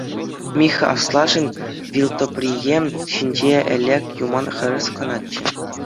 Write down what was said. Михха аслашшӗн вилтӑприйӗ ҫинче ӗлӗк юман хӗрес кӑначчӗ.